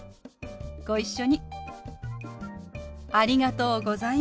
ご一緒に。